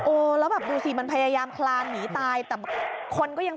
แล้วแบบดูสิมันพยายามคลานหนีตายแต่คนก็ยัง